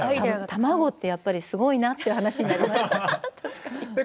卵ってやっぱりすごいなという話になりました。